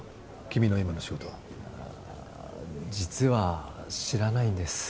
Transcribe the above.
君の今の仕事実は知らないんです